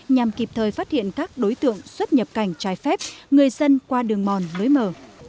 nhằm kịp thời phát hiện các đối tượng xuất nhập cảnh trái phép người dân qua đường mòn lưới mở